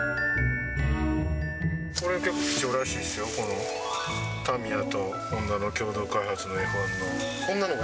これ結構、貴重らしいですよ、このタミヤとホンダの共同開発のＦ１の。